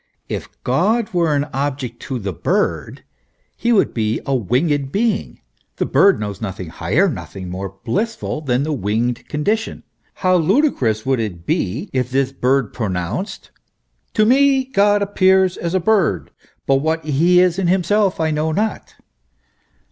If God were an object to the bird, he would be a winged being : the bird knows nothing higher, nothing more blissful, than the winged condition. How ludicrous would it be if this bird pronounced : to me God appears as a bird, but what he is in himself I know not.